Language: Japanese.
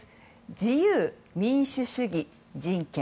自由、民主主義、人権。